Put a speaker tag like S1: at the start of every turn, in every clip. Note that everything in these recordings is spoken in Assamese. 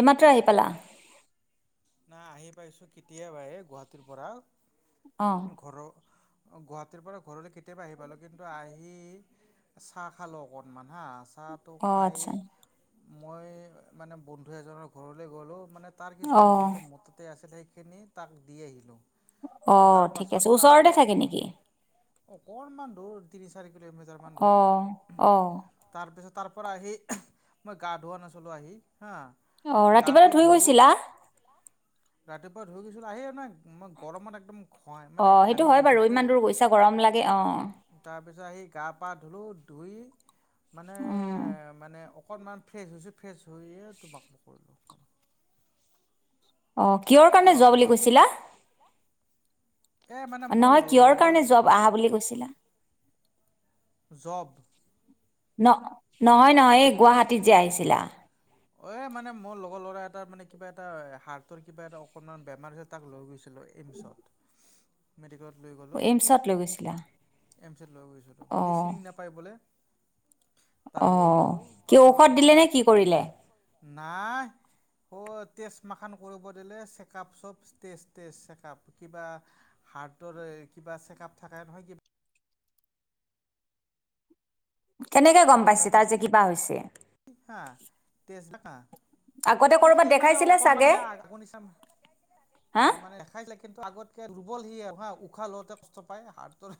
S1: এই মাত্ৰ আহি পালা!
S2: নাই আহি পাইছোঁ কেতিয়াবাই গুৱাহাটীৰ পৰা। ঘৰৰ অঁ, গুৱাহাটীৰ পৰা ঘৰলৈ কেতিয়াবা আহি পালোঁ, কিন্তু আহি চাহ খালোঁ অকণমান হাঁ। চাহটো খাই, মই মানে বন্ধু এজনৰ ঘৰলৈ গ'লোঁ, মানে তাৰ কিছুমান বস্তু মোৰ তাতে আছিল, সেইখিনি তাক দি আহিলোঁ। তাৰ পাছত তাৰপ অকণমান দূৰ তিনি-চাৰি কিলোমিটাৰমান দূৰ। তাৰ পিছত, তাৰ পৰা আহি, মই গা ধোৱা নাছিলোঁ আহি হা! গাটো ধুলোঁ, ৰাতিপুৱাই ধুই গৈছিলো আহি আৰু নাই। মই গৰমত একদম ঘ মানে ঘামি গৈছো তো! তাৰপিছত আহি গা - পা ধুলো, ধুই মানে
S1: উম।
S2: মানে অকণমান ফ্ৰেছ হৈছোঁ, ফ্ৰেছ হৈয়ে তোমাক ফোন কৰিলোঁ।
S1: অ, কিহৰ কাৰণে যোৱা বুলি কৈছিলা? নহয়, কিহৰ কাৰণে যোৱা, আহা বুলি কৈছিলা?
S2: জব।
S1: ন নহয় নহয়, এই গুৱাহাটীত যে আহিছিলা।
S2: অ', এ মানে মোৰ লগৰ ল'ৰা এটাৰ মানে কিবা এটা হাৰ্টৰ কিবা এটা অকনমান বেমাৰ হৈছে তাক লৈ গৈছিলোঁ এইমছত। মেডিকেলত লৈ গ'লোঁ, এমছত লৈ গৈছিলোঁ সি চিনি নাপায় বোলে।
S1: অ', কি ঔষধ দিলে, নে কি কৰিলে?
S2: নাই। অ' টেষ্ট মাখান কৰিব দিলে, চেকআপ চব টেষ্ট, টেষ্ট চেকআপ কিবা হাৰ্টৰ কিবা চেক আপ থাকে নহয়, কিবা
S1: কেনেকে গম পাইছে, তাৰ যে কিবা হৈছে?
S2: [unintelligible] তেজ হা কা এ সি মানে অকনমান মানে আগৰ নিচিনা, অ' মানে দেখাই লাগে কিন্তু আগতকে দুৰ্বল সি হা উশাহ লওঁতে কষ্ট পায় হাৰ্টৰ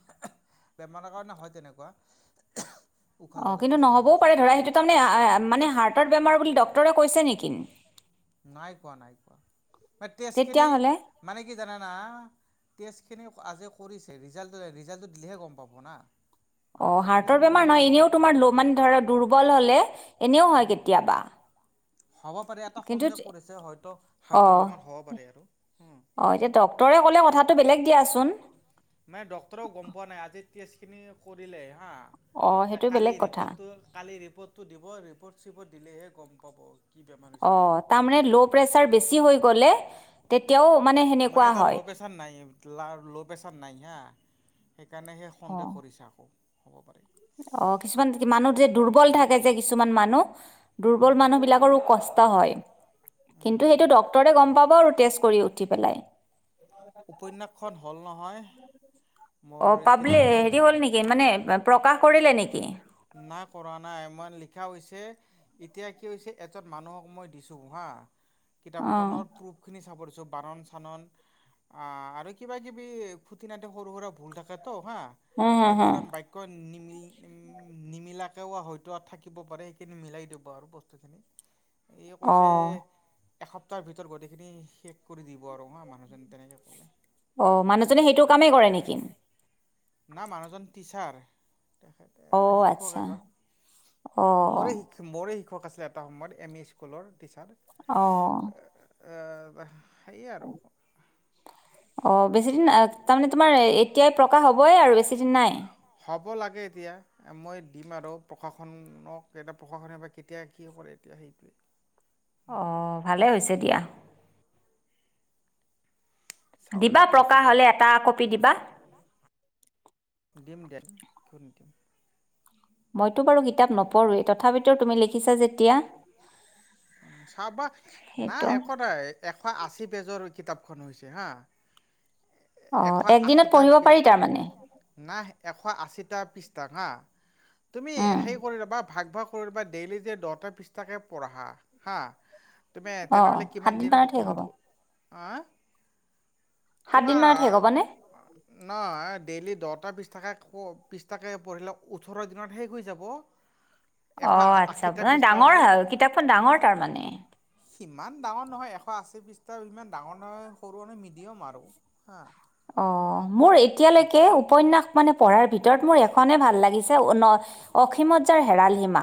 S2: বেমাৰৰ কাৰণে হ'য় তেনেকুৱা।
S1: [inaudible] অ', কিন্তু নহ'বও পাৰে ধৰা সেইটো তাৰমানে মানে, হাৰ্টৰ বেমাৰ বুলি ড্ক্তৰে কৈছে নেকি?
S2: নাই কোৱা, নাই কোৱা ম তেজখিনি মানে কি জানানা টেষ্টখিনি আজে কৰিছে, ৰিজাল্টটো, ৰিজাল্টটো দিলেহে গম পাব না।
S1: অ', হাৰ্টৰ বেমাৰ নহ'য় এনেও তোমাৰ লো মানে ধৰা দুৰ্বল হ'লে, এনেও হ'য় কেতিয়াবা।
S2: হ'ব পাৰে, এটা সন্দেহ কৰিছে হ'য়তো হাৰ্টৰ বেমাৰ হ'ব পাৰে আৰু।
S1: অ', এতিয়া ডক্টৰে ক'লে কথাটো বেলেগ দিয়াচোন।
S2: মানে ডক্তৰেও গম পোৱা নাই, আজি টেষ্টখিনি কৰিলেহে হা তে কালি ৰিপৰ্টটো, কালি ৰিপৰ্টটো দিব, ৰিপৰ্ট চিপৰ্ট দিলেহে গম পাব।
S1: অ', তাৰমানে ল' প্ৰেচাৰ বেছি হৈ গ'লে, তেতিয়াও মানে সেনেকুৱা হ'য়।
S2: প্ৰেচাৰ নাই, লো প্ৰেচাৰ, নাই হা, সেইকাৰণে সি সন্দেহ কৰিছে আকৌ হ'ব পাৰে।
S1: অ' কিছুমান মানুহ যে দুৰ্বল থাকে যে, কিছুমান মানুহ দুৰ্বল মানুহ বিলাকৰো কষ্ট হ'য়। কিন্তু সেইটো ডক্তৰে গম পাব আৰু টেষ্ট কৰি উঠি পেলাই।
S2: উপন্যাসখন হ'ল নহয়।
S1: অ' পাব্লি হেৰি হ'ল নেকি মানে প্ৰকাশ কৰিলে নেকি?
S2: না কৰা নাই, মান লিখা হৈছে। এতিয়া কি হৈছে, এজন মানুহক মই দিছো হা, কিতাপখনৰ প্ৰুফ খিনি চাব দিছো, বানন চানন আহ, আৰু কিবা কিবি খুটিনাটি সৰু সুৰা ভুল থাকেতো হা বা কিছুমান বাক্য নিমিল নিমি নিমিলাকেও হয়তো আৰু থাকিব পাৰে, সেইখিনি মিলাই দিব আৰু বস্তুখিনি এই কৈছে এসপ্তাহৰ ভিতৰত গোটেইখিনি শেষ কৰি দিব আৰু হা, মানুহজনে তেনেকৈ ক'লে।
S1: অ' মানুহজনে সেইটো কামেই কৰে নেকি?
S2: না মানুহজন টিচাৰ, তেখেতে শিক্ষক এজন, মোৰে শিক্ষ মোৰেই শিক্ষক আছিলে এটা সময়ত, এম ই স্কুলৰ টিচাৰ।
S1: অ'।
S2: আহ, সেয়ে আৰু।
S1: অ' বেছি দিন, তাৰমানে তোমাৰ এতিয়াই প্ৰকাশ হ'বই আৰু বেছি দিন নাই।
S2: হ'ব লাগে, এতিয়া। মই দিম আৰু প্ৰশাসনক, এতিয়া প্ৰশাসনে বা কেতিয়া কি কৰে এতিয়া সেইটোৱে।
S1: অ, ভালেই হৈছে দিয়া। দিবা প্ৰকাশ হ'লে, এটা কপি দিবা।
S2: ডিম, দিয়া ভন্টী।
S1: মইতো বাৰু কিতাপ নপঢ়োৱেই, তথাপিতো তুমি লিখিছা যেতিয়া
S2: চব, নাই একো নাই, এশ আশী পেজৰ কিতাপখন হৈছে, হা। এশ আশীটা পেজ নাহ, এশ আশীটা পৃষ্ঠাৰ হা। তুমি সেই বা ভাগ ভাগ কৰি লবা। ডেইলি যে, দহটা পৃষ্ঠাকে পঢ়া হা তুমি তেনেহ'লে কিমান দিনতো কম্পিট হা তোমাৰ নহ, ডেইলি দহটা, বিছ টাকৈ পৃষ্ঠাটাকে পঢ়িলে ওঠৰ দিনত শেষ হৈ যাব।
S1: অ, আচ্ছা, ডাঙৰ কিতাপখন ডাঙৰ তাৰমানে।
S2: সিমান ডাঙৰ নহয়, এশ আশী পৃষ্ঠাৰ সিমান ডাঙৰ নহয়, সৰু নহয় মিডিয়াম আৰু। হা
S1: অ, মোৰ এতিয়ালৈকে উপন্যাস মানে পঢ়াৰ ভিতৰত মোৰ এখনে ভাল লাগিছে, অসীমত যাৰ হেৰাল সীমা।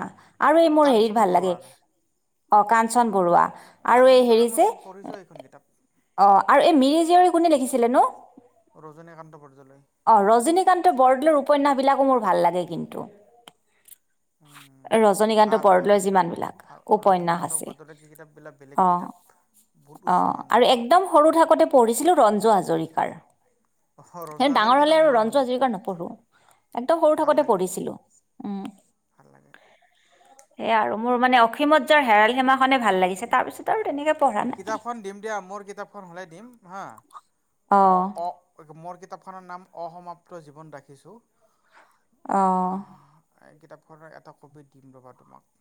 S1: আৰু এই মোৰ হেৰিৰ ভাল লাগে, অ, কাঞ্চন বৰুৱা আৰু এই হেৰি যে
S2: এইখন কিতাপ
S1: অ, আৰু এই মিৰিজীয়ৰী কোনে লিখিছিলে নো?
S2: ৰজনীকান্ত বৰদলৈ।
S1: অ, ৰজনীকান্ত বৰদলৈৰ উপন্যাসবিলাকো মোৰ ভাল লাগে কিন্তু।
S2: উম, ভাল, ভাল, ভাল, ৰজনীকান্তৰ বৰদলৈৰ কি কিতাপবিলাক বেলেগ কিতাপ।
S1: অ, আৰু একদম সৰু থাকোঁতে পঢ়িছিলো, ৰঞ্জু হাজৰিকাৰ। সেই ডাঙৰ হ'লে আৰু ৰঞ্জু হাজৰিকাৰ নপঢ়ো। একদম সৰু থাকোতে পঢ়িছিলো। উম, সেয়া আৰু, মোৰ মানে অসীমত যাৰ হেৰাল সীমাখনে, ভাল লাগিছে। তাৰ পিছত আৰু তেনেকৈ পঢ়া নাই।
S2: দিম দিয়া, মোৰ কিতাপ খন, ওলাই দিম হা অ, অ, মোৰ কিতাপখনৰ নাম অসমাপ্ত জীৱন ৰাখিছোঁ। অ, এই কিতাপখনৰ এটা কপি দিম ৰ'বা তোমাক।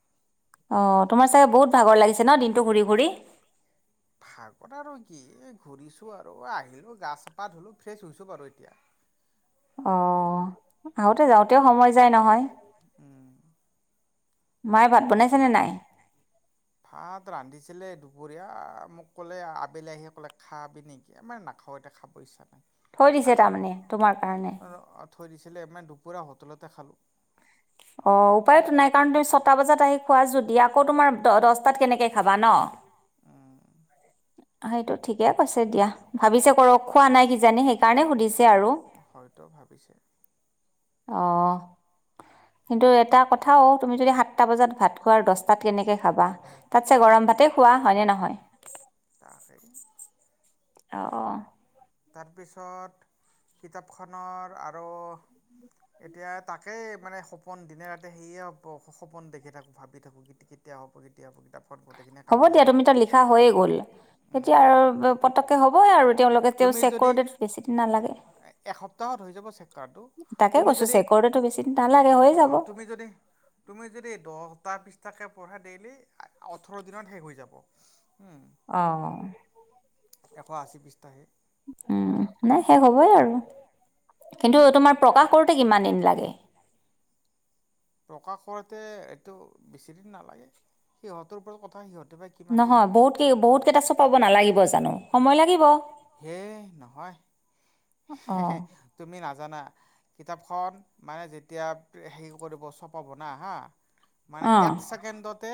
S1: অ, তোমাৰ চাগে বহুত ভাগৰ লাগিছে ন, দিনটো ঘূৰি- ঘূৰি।
S2: ভাগৰ আৰু কি এই ঘূৰিছোঁ আৰু আহিলোঁ গা পা ধুলোঁ ফ্ৰেছ হৈছোঁ বাৰু এতিয়া।
S1: অ, আহোতে যাওঁ তেওঁ সময় যায় নহয়। মায়ে ভাত বনাইছেনে নাই?
S2: ভাত ৰান্ধিছিলে দুপৰীয়া, মোক ক'লে আবেলি আহি, ক'লে খাবি নেকি আ, মানে নাখাওঁ এতিয়া খাব পইচা নাই নাখালোঁ, থৈ দিছিলে ইমান দুপৰায়া হোটেলতে খালোঁ।
S1: অ, উপায়তো নাই, কাৰণ তুমি ছটা বজাত আহি খোৱা যদি আকৌ তোমাৰ দ, দছটাত কেনেকে খাবা ন।
S2: উম,
S1: সেইটো ঠিকে কৈছে দিয়া।
S2: ভাবিছে কৰ খোৱা নাই কিজানি সেইকাৰনে সুধিছে আৰু, হয়তো ভাবিছে।
S1: অ, কিন্তু এটা কথা অও, তুমি যদি সাতটা বজাত ভাত খোৱা দছটাত কেনেকৈ খাবা, তাতছে গৰম ভাতেই খোৱা হয়নে নহয়। [unintelligible]
S2: তাকে।
S1: অ' অ'!
S2: তাৰপিছত, কিতাপখনৰ আৰু এতিয়া, তাকেই মানে, সপোন। দিনে-ৰাতিয়ে, সেয়ে, সপোন দেখি থাকোঁ, ভাবি থাকোঁ এতিয়া, [unintelligible] [unintelligible] কিতাপখন
S1: হ'ব দিয়া, তুমি ত' লিখা হৈয়ে গ'ল। এতিয়া আৰু পটককে, হ'বই আৰু তেওঁলোকে,
S2: তুমি যদি, এসপ্তাহত হৈ যাব, চেপ্টাৰটো। তুমি যদি, অ'! তুমি যদি তুমি যদি, দহটা পৃষ্ঠাকে পঢ়া ডেইলি, [unintelligible] ওঠৰ দিনত শেষ হৈ যাব। উম!
S1: অ'!
S2: এশ আশী পৃষ্ঠাহে।
S1: উম, নাই শেষ হ'বই আৰু। কিন্তু, তোমাৰ প্ৰকাশ কৰোঁতে, কিমান দিন লাগে?
S2: প্ৰকাশ কৰোঁতে, এইটো বেছিদিন নালাগে। সিহঁতৰ ওপৰত কথা, সিহঁতে বা কি
S1: নহয়, বহুত কেই, বহুত কেইটা চপাব নালাগিব, জানোঁ? সময় লাগিব।
S2: হে, নহয়। হে, হে! তুমি নাজানা। কিতাপখন, মানে যেতিয়া, সেৰি কৰিব, চপাব না, হাঁ! মানে, এক ছেকেণ্ডতে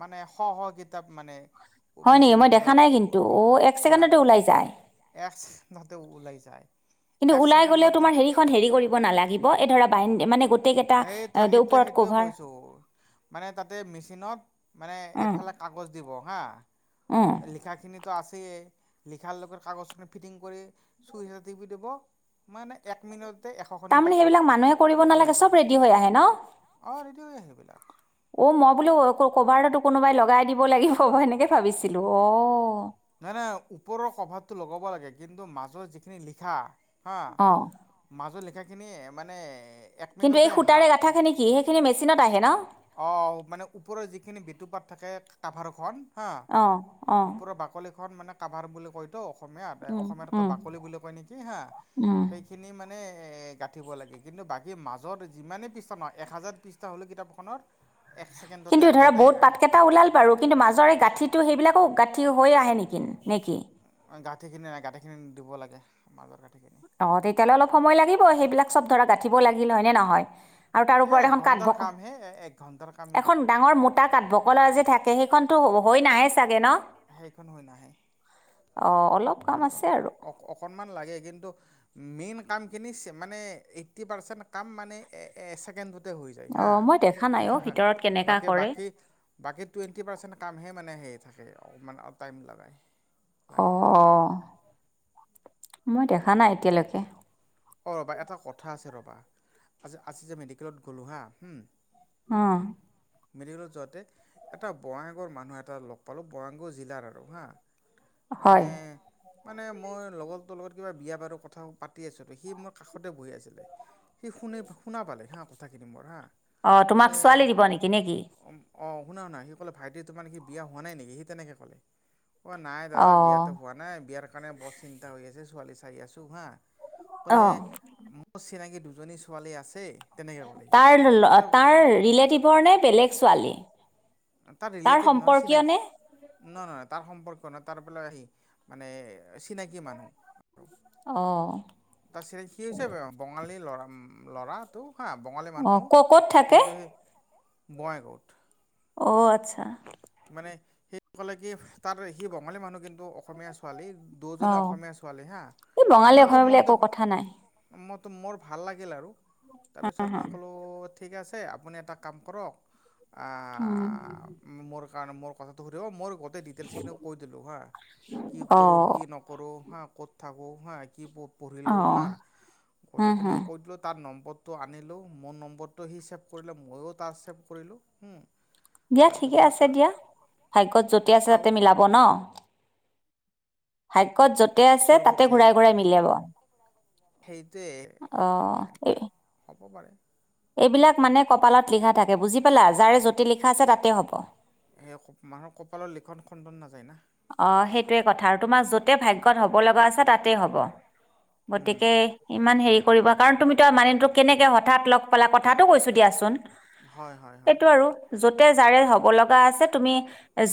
S2: মানে, শ-শ কিতাপ মানে, মেচিনৰ পৰা [unintelligible] ওলায়। এক্স মতে, ওলাই যায়।
S1: কিন্তু, ওলাই গ'লেও তোমাৰ, সেৰিখন সেৰি কৰিব নালাগিব। এই ধৰা, [unintelligible] মানে, গোটেই কেইটা।
S2: ত' সেইটোৱে, সেইটোৱে কৈছোঁ! মানে, তাতে মেচিনত, মানে, এইফালে কাগজ দিব হাঁ!
S1: অ'!
S2: লিখাখিনিতো আছেই। লিখাৰ লগত, কাগজখিনি ফিটিং কৰি চুইচ এটা টিপি দিব। মানে, এক মিনিট তাতে, এশখন [unintelligible] কিতাপ ওলাই গ'ল। অ'! ৰেডি হৈ আহে, সেইবিলাক।
S1: অ'! মই বোলোঁ, ক'ভাৰতো কোনোবাই লগাই দিব লাগিব, সনেকে ভাবিছিলোঁ! অঁ!
S2: নাই-নাই, ওপৰৰ কভাৰটো লগাব লাগে। কিন্তু, মাজৰ যিখিনি লিখা, হাঁ! মাজত লিখাখিনি, মানে,
S1: কিন্তু, এই সূতাৰে গাঁঠাখিনি কি? সেইখিনি মেচিনত আহে, ন'?
S2: অ'! মানে, ওপৰৰ যিখিনি বেটুপাত থাকে, কাভাৰখন। হাঁ! ওপৰৰ বাকলিখন মানে, কাভাৰ বুলি কয়তো, অসমীয়াত। অসমীয়াত কৈ বাকলি বুলি কয় নেকি, হাঁ! সেই খিনি মানে, গাঁঠিব লাগে। কিন্তু, বাকী মাজত, যিমানেই পৃষ্ঠা নহয়, এক হাজাৰ পৃষ্ঠা হ'লেও কিতাপ খনত।
S1: কিন্তু ধৰা, বহুত পাতকেইটা ওলাল বাৰু। কিন্তু, মাজৰ এই গাঁঠিটো, সেইবিলাকো গাঁঠি হৈ আহে নেকি? [unintelligible] নেকি?
S2: গাঁঠিখিনি নাই, গাঁঠিখিনি দিব লাগে, মাজত এনেকে।
S1: অ'! তেতিয়াহ'লে, অলপ সময় লাগিব। সেইবিলাক চব ধৰা, গাঁঠিব লাগিল। হয় নে নহয়? আৰু তাৰ ওপৰত, এখন কাঠ [unintelligible] এখন ডাঙৰ মো টা কাঠ, [unintelligible] যে থাকে, সেইখনতো হৈ নাহে চাগে ন'?
S2: সেইখন হৈ নাহে।
S1: অ'! অলপ
S2: সেইখন, অ-অকণমান লাগে কিন্তু মেইন কামখিনি মানে এইট্টি পাৰ্চেণ্ কাম মানে ছেকেনড তে হৈ যায় হা। বাকী বাকী বাকী টুৱেণ্টি পাৰ্চেণ্ট কামহে মানে হে থাকে আৰু মানে টাইম লগায়। লাগে আৰু।
S1: মই দেখা নাই এতিয়ালৈকে।
S2: অঁ' ৰ'বা এটা কথা আছে ৰ'বা। আজি আজি যে মেডিকেলত গ'লোঁ হা
S1: অঁ।
S2: মেডিকেলত যাওঁতে এটা বঙাইগাও মানুহ এটা লগ পালোঁ বঙাগাঁও জিলাৰ আৰু হাঁ। মানে মানে মই লগৰটো লগত কিবা বিয়া বাৰু কথা পাতি আছি সি মোৰ কাষতে বহি আছিলে। সি শুনি শুনা পালে হা, কথাখিনি মোৰ হা।
S1: অঁ' তোমাক ছোৱালী দিব নেকি, নে কি?
S2: অঁ' শুনা শুনা, সি ক'লে ভাইটিতো মানে কি বিয়া হোৱা নাই নেকি সি তেনেকৈ ক'লে। অঁ' নাই দাদা বিয়াটো হোৱা নাই, বিয়াৰ কাৰণে বৰ চিন্তা হৈ আছে ছোৱালী চাই আছোঁ হা। ক'লে মোৰ চিনাকি দুজনী ছোৱালী আছে।
S1: তাৰ তাৰ ৰিলেটিভৰ নে বেলেগ ছোৱালী?
S2: তাৰ ৰিলেটিভ নহয় চিনাকি। নহয় নহয়, তাৰ সম্পৰ্কীয় নহয় তাৰ পৰা আহি মানে চিনাকী মানুহ আৰু। তাৰ চি, সি হৈছে বঙালী ল'ৰা ল'ৰা। তো হাঁ বঙালী মানুহ কিন্তু সি, ‌ক'ত থাকে, বঙাইগাঁৱত।
S1: অঁ' আচ্ছা'।
S2: মানে সি ক'লে কি তাত সি বঙালী মানুহ কিন্তু অসমীয়া ছোৱালী দুয়োজনী অসমীয়া ছোৱালী হা, মই বোলো মনটো মইতো মোৰ ভাল লাগিল আৰু তাৰপিছত মই কলোঁ ঠিক আছে আপুনি এটা কাম কৰক, আ‌হ' মোৰ সেইকাৰণ মোৰ কথাটো সুধিব, মোৰ গোটেই ডিটেইলছ খিনিও কৈ দিলোঁ হা। কি কৰোঁ কি নক কৰোঁ হা, ক'ত থাকোঁ হা, কি পঢ়িলোঁ হা। গোটেইখিনি কৈ দিলোঁ তাৰ নম্বৰ টো আনিলোঁ, মোৰ নম্বৰটো সি ছেভ কৰিলে মইয়ো তাৰ ছেভ কৰিলোঁ‌ হুম।
S1: দিয়া ঠিকে আছে দিয়া। ভাগ্যত য'তেই আছে তাতে মিলাব ন। ভাগ্যত য'তেই আছে তাতে ঘূৰাই ঘূৰাই মিলাব।
S2: সেইটোৱেই, সেনেকুৱাই হ'ব পাৰে।
S1: এইবিলাক মানে কপালত লিখা থাকে বুজি পালা। যাৰে য'তে লিখা আছে তাতেই হ'ব।
S2: সেই মানুহৰ কপালৰ লিখন খণ্ডন নাযায় না।
S1: অঁ' সেইটোৱে কথা আৰু তোমাৰ য'তে ভাগ্যত হ'ব লগা আছে তাতেই হ'ব। গতিকে ইমান হেৰি কৰিব কাৰণ তুমিতো মানেটোক কেনেকৈ হঠাৎ লগ পালা কথাটো কৈছোঁ দিয়াচোন।
S2: হয় হয় হয়।
S1: য'তে যাৰে হ'ব লগা আছে তুমি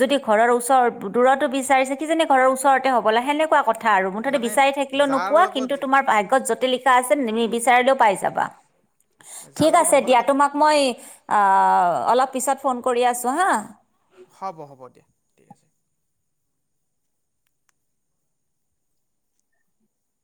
S1: যদি ঘৰৰ ওচৰ দূৰতো বিচাৰিছে কিজানি ঘৰৰ ওচৰ ওচৰতে হ'বলা। সেনেকুৱা কথা আৰু মুঠতে বিচাৰ থাকিলেও নোপোৱা কিন্তু তোমাৰ ভাগ্যত য'তে লি খা আছে তুমি নিবিচাৰিলেও পাই যাবা। ঠিক আছে দিয়া, তোমাক মই আহ' অলপ পিছত ফোন কৰি আছোঁ হা।
S2: হ'ব হ'ব দিয়া।